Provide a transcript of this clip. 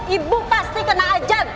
ibu pasti kena ajan